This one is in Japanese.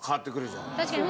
確かに。